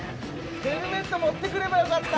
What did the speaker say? ヘルメット持ってくればよかった。